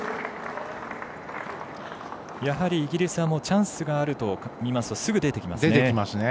やはり、イギリスはチャンスがあるとみますとすぐに出てきますね。